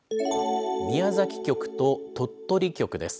宮崎局と鳥取局です。